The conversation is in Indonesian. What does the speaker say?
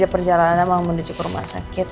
di perjalanan mau menuju ke rumah sakit